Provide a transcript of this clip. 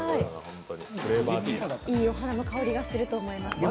いいお花の香りがすると思いますよ。